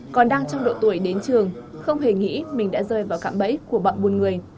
còn đang trong độ tuổi đến trường không hề nghĩ mình đã rơi vào cạm bẫy của bọn buôn người